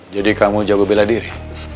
jadi kamu jago bela diri